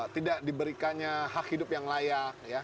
tidak diberikannya hak hidup yang layak